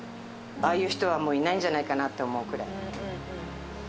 ああいう人はもういないんじゃないかなって思うくらい。